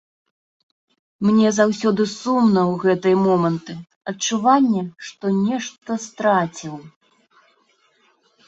Мне заўсёды сумна ў гэтыя моманты, адчуванне, што нешта страціў.